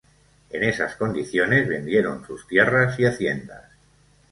En esas condiciones vendieron sus tierras y haciendas.